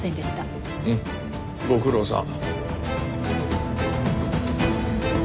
うんご苦労さん。